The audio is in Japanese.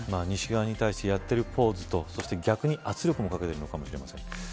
西側に対してやってるポーズと逆に、圧力をかけているのかもしれません。